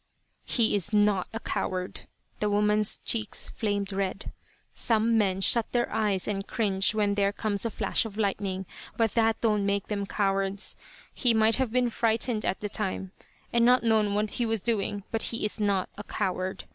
"He is not a coward." The woman's cheeks flamed red. "Some men shut their eyes and cringe when there comes a flash of lightning. But that don't make them cowards. He might have been frightened at the time, and not known what he was doing, but he is not a coward.